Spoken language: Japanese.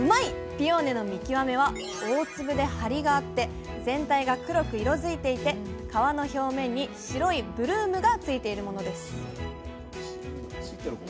ピオーネの見極めは大粒でハリがあって全体が黒く色づいていて皮の表面に白いブルームがついているものです！